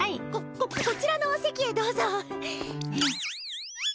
こ、こちらのお席へどうぞ。